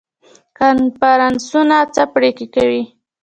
کنفرانسونه څه پریکړې کوي؟